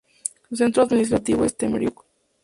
Su centro administrativo es Temriuk.